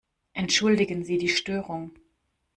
Entschuldigen Sie die Störung!